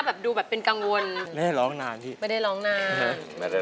ไม่บอกก็รู้ว่าเป็นเพลงของคุณอาชายเมืองสิงหรือเปล่า